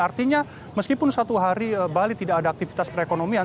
artinya meskipun satu hari bali tidak ada aktivitas perekonomian